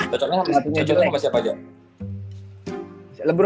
cocoknya sama siapa aja